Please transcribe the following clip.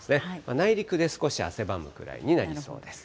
内陸で少し汗ばむくらいになりそうです。